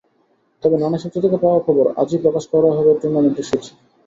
তবে নানা সূত্র থেকে পাওয়া খবর, আজই প্রকাশ করা হবে টুর্নামেন্টের সূচি।